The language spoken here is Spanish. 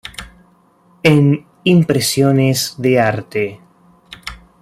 En "Impresiones de arte.